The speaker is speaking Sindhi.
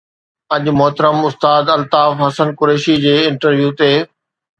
اڄ محترم استاد الطاف حسن قريشي جي انٽرويو تي